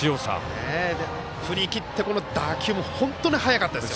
振り切って、打球も本当に速かったです。